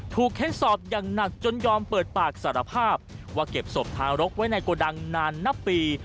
เค้นสอบอย่างหนักจนยอมเปิดปากสารภาพว่าเก็บศพทารกไว้ในโกดังนานนับปี